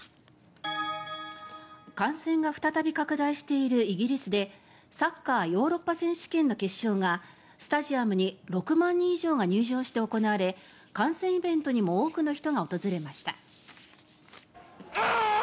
感染が再び拡大しているイギリスでサッカーヨーロッパ選手権の決勝がスタジアムに６万人以上が入場して行われ観戦イベントにも多くの人が訪れました。